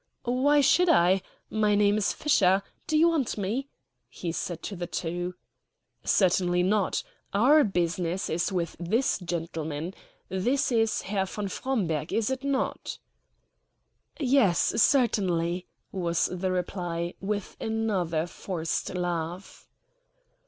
"Why should I? My name is Fisher. Do you want me?" he said to the two. "Certainly not. Our business is with this gentleman. This is Herr von Fromberg, is it not?" "Yes, certainly," was the reply, with another forced laugh.